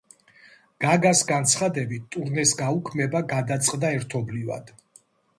გაგას განცხადებით, ტურნეს გაუქმება გადაწყდა ერთობლივად.